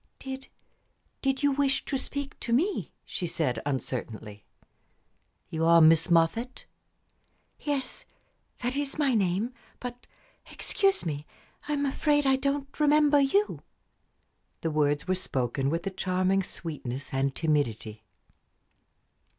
"Did did you wish to speak to me?" she said, uncertainly. "You are Miss Moffatt?" "Yes. That is my name. But, excuse me. I am afraid I don't remember you." The words were spoken with a charming sweetness and timidity.